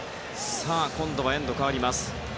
今度はエンドが変わります。